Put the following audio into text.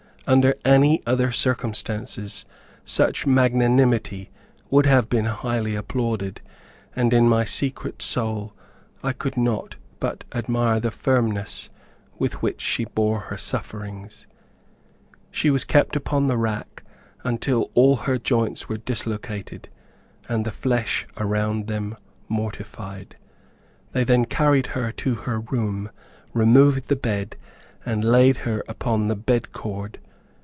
Under any other circumstances such magnanimity would have been highly applauded, and in my secret soul I could not but admire the firmness with which she bore her sufferings. She was kept upon the rack until all her joints were dislocated, and the flesh around them mortified. They then carried her to her room, removed the bed, and laid her upon the bedcord.